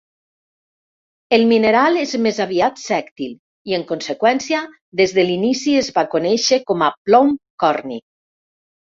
El mineral és més aviat sèctil, i en conseqüència, des de l'inici es va conèixer com a plom corni.